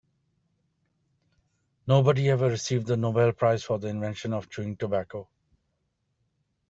Nobody ever received the Nobel prize for the invention of chewing tobacco.